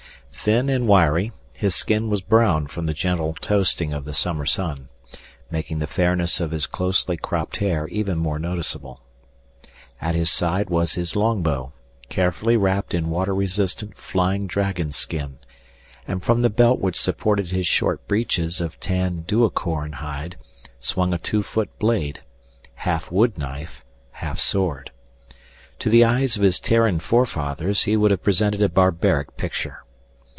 Thin and wiry, his skin was brown from the gentle toasting of the summer sun, making the fairness of his closely cropped hair even more noticeable. At his side was his long bow, carefully wrapped in water resistant flying dragon skin, and from the belt which supported his short breeches of tanned duocorn hide swung a two foot blade half wood knife, half sword. To the eyes of his Terran forefathers he would have presented a barbaric picture.